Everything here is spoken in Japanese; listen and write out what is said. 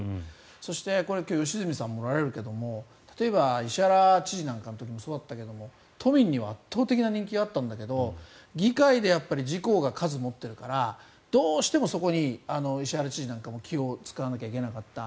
そして、今日は良純さんもおられるけれど例えば石原知事の時なんかもそうだったけど都民には圧倒的な人気があったんだけど議会で自公が数を持っているからどうしてもそこに石原知事なんかも気を使わなきゃいけなかった。